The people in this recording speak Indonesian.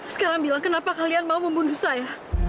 sekarang bilang kenapa kalian mau membunuh saya